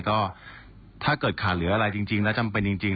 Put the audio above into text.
ก็ถ้าเกิดขาดเหลืออะไรจริงแล้วจำเป็นจริง